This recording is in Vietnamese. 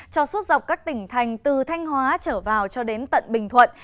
cho suốt dọc các tỉnh thành từ thanh hóa trở vào cho đến tận bình thuận